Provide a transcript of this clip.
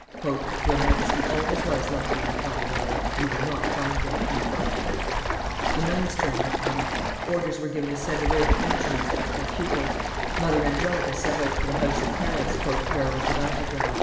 "Your Majesty always was lucky," replied Boileau; "you will not find him." The nuns' turn had come; orders were given to send away the pensioners (pupils); Mother Angelica set out for the house at Paris, "where was the battle ground."